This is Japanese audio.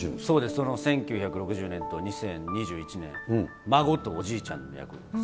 その１９６０年と２０２１年、孫とおじいちゃんの役です。